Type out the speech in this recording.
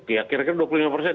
ya kira kira dua puluh lima persen